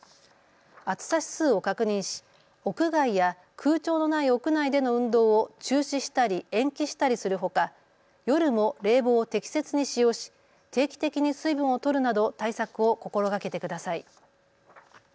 暑さ指数を確認し屋外や空調のない屋内での運動を中止したり延期したりするほか夜も冷房を適切に使用し定期的に水分をとるなど対策を心がけてください。